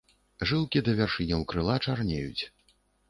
Жылкі да вяршыняў крыла чарнеюць.